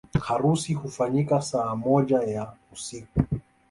Harusi hufanyika saa moja ya usiku